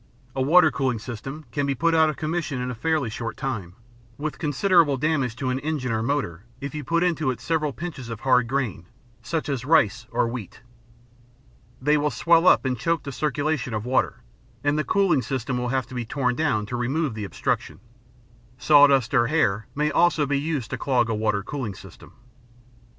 A water cooling system can be put out of commission in a fairly short time, with considerable damage to an engine or motor, if you put into it several pinches of hard grain, such as rice or wheat. They will swell up and choke the circulation of water, and the cooling system will have to be torn down to remove the obstruction. Sawdust or hair may also be used to clog a water cooling system.